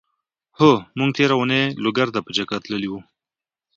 هو! مونږ تېره اونۍ لوګر ته په چګر تللی وو.